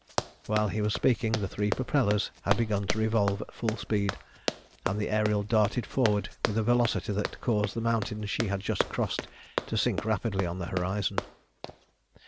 While he was speaking the three propellers had begun to revolve at full speed, and the Ariel darted forward with a velocity that caused the mountains she had just crossed to sink rapidly on the horizon.